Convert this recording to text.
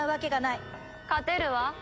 勝てるわ。